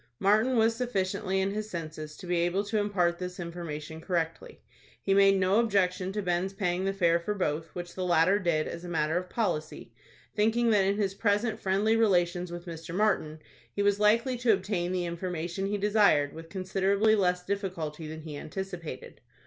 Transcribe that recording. Martin was sufficiently in his senses to be able to impart this information correctly. He made no objection to Ben's paying the fare for both, which the latter did, as a matter of policy, thinking that in his present friendly relations with Mr. Martin he was likely to obtain the information he desired, with considerably less difficulty than he anticipated.